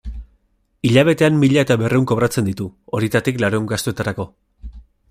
Hilabetean mila eta berrehun kobratzen ditu, horietatik laurehun gastuetarako.